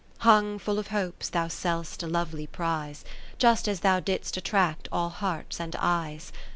Hung full of hopes thou sell'st a lovely prize. Just as thou didst attract all hearts and eyes.